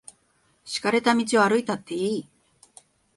敷かれた道を歩いたっていい。